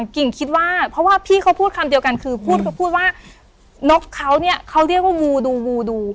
กิ่งคิดว่าเพราะพี่เขาพูดคำเดียวกันพูดว่านกเขาเนี้ยเขาเรียกว่าวูดูวูดู